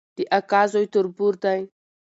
د اکا زوی تربور دی